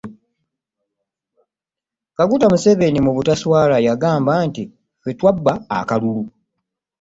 Kaguta Museveni mu butaswala yagamba nti ffe twabba akalulu.